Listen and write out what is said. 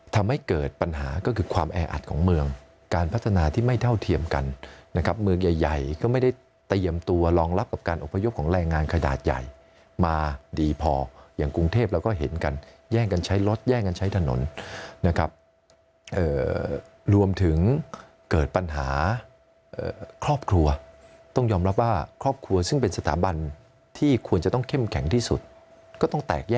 ทำให้เกิดปัญหาก็คือความแออัดของเมืองการพัฒนาที่ไม่เท่าเทียมกันนะครับเมืองใหญ่ก็ไม่ได้เตรียมตัวรองรับกับการอบพยพของแรงงานขนาดใหญ่มาดีพออย่างกรุงเทพเราก็เห็นกันแย่งกันใช้รถแย่งกันใช้ถนนนะครับรวมถึงเกิดปัญหาครอบครัวต้องยอมรับว่าครอบครัวซึ่งเป็นสถาบันที่ควรจะต้องเข้มแข็งที่สุดก็ต้องแตกแยก